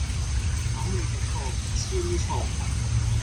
咁你就錯，超錯